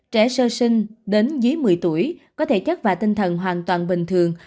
trẻ sơ sinh đến dưới một mươi tuổi có thể chất và tinh thần hoàn toàn bình thường